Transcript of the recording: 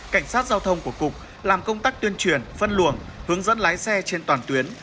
cảnh sát giao thông của cục làm công tác tuyên truyền phân luồng hướng dẫn lái xe trên toàn tuyến